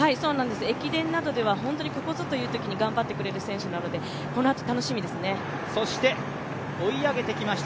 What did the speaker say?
駅伝などでは、本当にここぞというときに頑張ってくれる選手なので、そして追い上げてきました